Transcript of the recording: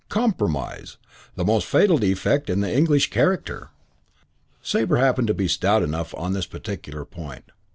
Compromise. The most fatal defect in the English character." Sabre happened to be stout enough on this particular point.